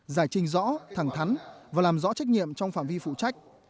giải trình rõ thẳng thắn và làm rõ trách nhiệm trong phạm vi phụ trách